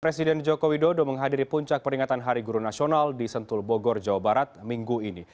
presiden joko widodo menghadiri puncak peringatan hari guru nasional di sentul bogor jawa barat minggu ini